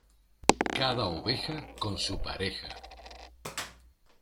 Cada oveja con su pareja.